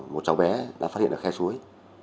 một cháu bé đã phát hiện ở khe suối